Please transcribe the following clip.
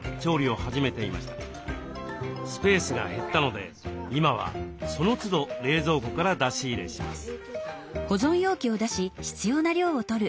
スペースが減ったので今はそのつど冷蔵庫から出し入れします。